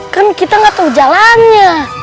kan kita gak tau jalannya